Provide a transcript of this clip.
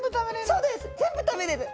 全部食べれんの？